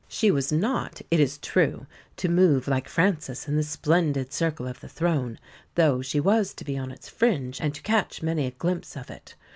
She was not, it is true, to move like Frances in the splendid circle of the Throne, though she was to be on its fringe and to catch many a glimpse of it.